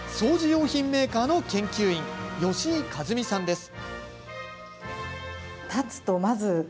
用品メーカーの研究員、吉井和美さんです。